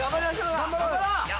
頑張ろう！